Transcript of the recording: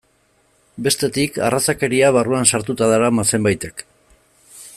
Bestetik, arrazakeria barruan sartuta darama zenbaitek.